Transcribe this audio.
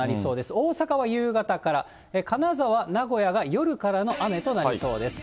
大阪は夕方から、金沢、名古屋が夜からの雨となりそうです。